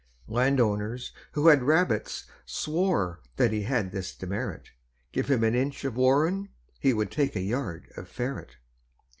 Land owners, who had rabbits, swore That he had this demerit Give him an inch of warren, he Would take a yard of ferret.